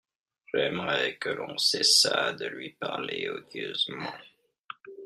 J'aimerais que l'on cessât de lui parler odieusement.